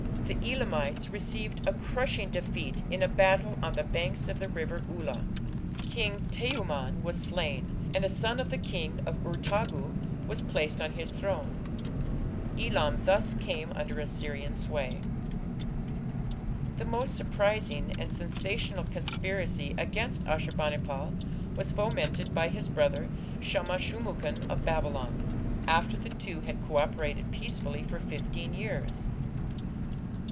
The Elamites received a crushing defeat in a battle on the banks of the River Ula. King Teumman was slain, and a son of the King of Urtagu was placed on his throne. Elam thus came under Assyrian sway. The most surprising and sensational conspiracy against Ashur bani pal was fomented by his brother Shamash shum ukin of Babylon, after the two had co operated peacefully for fifteen years.